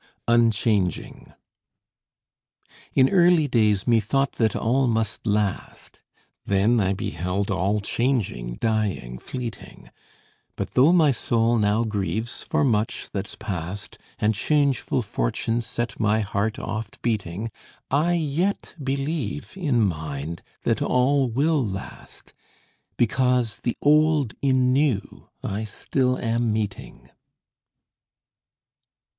UNCHANGING In early days methought that all must last; Then I beheld all changing, dying, fleeting; But though my soul now grieves for much that's past, And changeful fortunes set my heart oft beating, I yet believe in mind that all will last, Because the old in new I still am meeting.